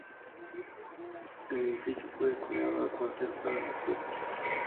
El edificio fue destinado a cuartel para las tropas.